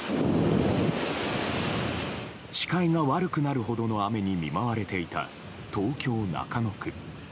視界が悪くなるほどの雨に見舞われていた東京・中野区。